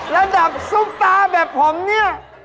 ระดับซุกตาแบบผมนี่